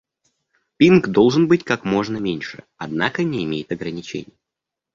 Пинг должен быть как можно меньше, однако не имеет ограничений